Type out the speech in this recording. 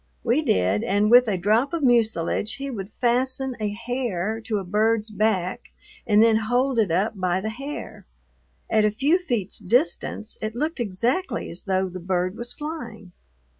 We did, and with a drop of mucilage he would fasten a hair to a bird's back and then hold it up by the hair. At a few feet's distance it looked exactly as though the bird was flying.